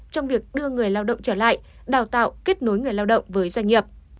trong việc đưa người lao động trở lại đào tạo kết nối người lao động với doanh nghiệp